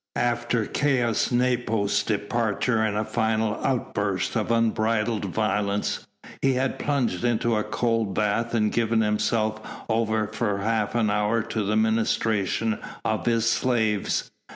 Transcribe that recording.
After Caius Nepos' departure and a final outburst of unbridled violence, he had plunged into a cold bath and given himself over for half an hour to the ministrations of his slaves.